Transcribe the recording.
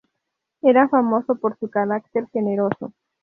Era famoso por su carácter generoso.